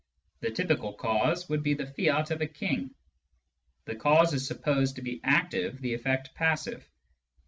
The typical cause would be the fiat of a king. The cause is supposed to be " active," the efFect " passive."